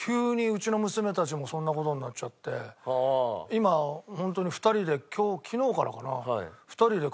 今本当に２人で昨日からかな？